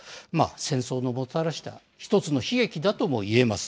戦争のもたらした一つの悲劇だともいえます。